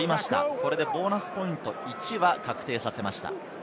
これでボーナスポイント１は確定させました。